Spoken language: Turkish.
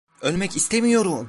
Ölmek istemiyorum!